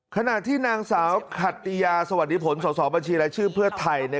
ขณะที่นางสาวขัตติยาสวัสดีผลสอบบัญชีรายชื่อเพื่อไทย